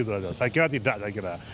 saya kira tidak saya kira